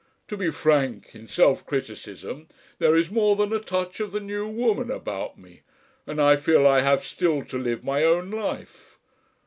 To be frank in self criticism, there is more than a touch of the New Woman about me, and I feel I have still to live my own life.